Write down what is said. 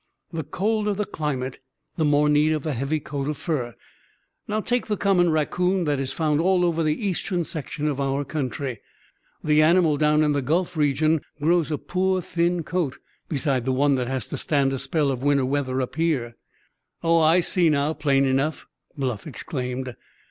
The colder the climate the more need of a heavy coat of fur. Now, take the common raccoon that is found all over the eastern section of our country. The animal down in the Gulf region grows a poor thin coat beside the one that has to stand a spell of winter weather up here." "Oh, I see now, plain enough!" Bluff exclaimed.